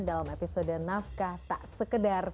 dalam episode nafkah tak sekedar